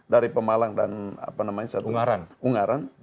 dari pemalang dan ungaran